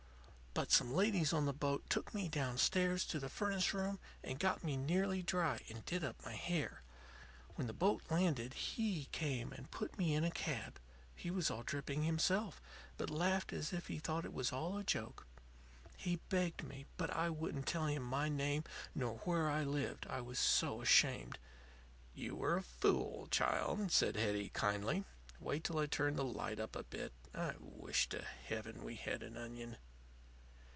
"But some ladies on the boat took me downstairs to the furnace room and got me nearly dry and did up my hair. When the boat landed, he came and put me in a cab. He was all dripping himself, but laughed as if he thought it was all a joke. He begged me, but I wouldn't tell him my name nor where I lived, I was so ashamed." "You were a fool, child," said Hetty, kindly. "Wait till I turn the light up a bit. I wish to Heaven we had an onion."